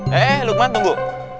hei lukman tunggu